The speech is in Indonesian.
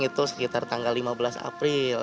itu sekitar tanggal lima belas april